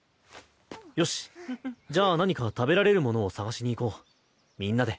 よしじゃあ何か食べられるものを探しに行こうみんなで。